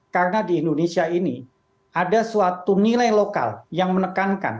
karena di indonesia ini ada suatu nilai lokal yang menekankan